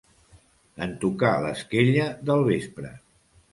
En tocar l'esquella del vespre.